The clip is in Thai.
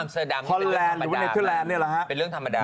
อ๋ออัมเซอร์ดำเป็นเรื่องธรรมดา